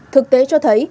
thực tế cho thấy